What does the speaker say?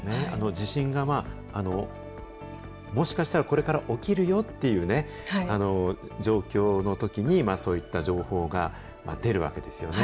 地震が、もしかしたらこれから起きるよっていうね、状況のときに、そういった情報が出るわけですよね。